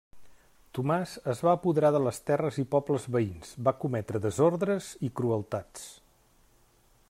Tomàs es va apoderar de les terres i pobles veïns, va cometre desordres i crueltats.